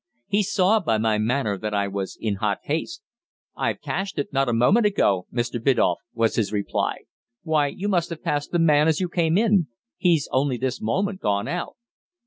He saw by my manner that I was in hot haste. "I've cashed it not a moment ago, Mr. Biddulph," was his reply. "Why, you must have passed the man as you came in! He's only this moment gone out."